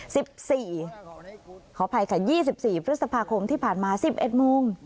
ขออภัยค่ะยี่สิบสี่พฤษภาคมที่ผ่านมาสิบเอ็ดโมง